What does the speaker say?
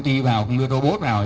chúng ta không đưa robot vào